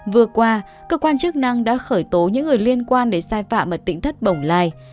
vừa qua cơ quan chức năng đã khởi tố những người liên quan đến sai phạm ở tỉnh thất bồng lai